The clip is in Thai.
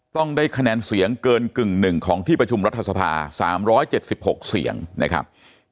ต้องได้คะแนนเสียงเกินกึ่งหนึ่งของที่ประชุมรัฐสภา๓๗๖เสียงนะครับ